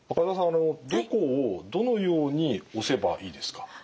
あのどこをどのように押せばいいですか？